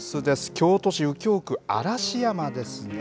京都市右京区嵐山ですね。